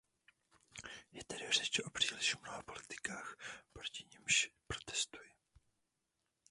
Je tedy řeč o příliš mnoha politikách, proti nimž protestuji.